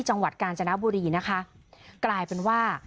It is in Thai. จังหวัดกาญจนบุรีนะคะกลายเป็นว่า